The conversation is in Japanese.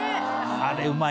あれうまい。